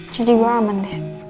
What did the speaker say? jadi gue aman deh